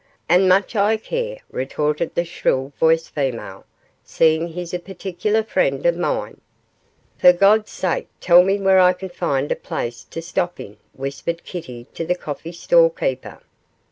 'And much I care,' retorted the shrill voiced female, 'seeing he's a particular friend of mine.' 'For God's sake tell me where I can find a place to stop in,' whispered Kitty to the coffee stall keeper.